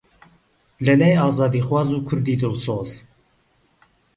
لەلای ئازادیخواز و کوردی دڵسۆز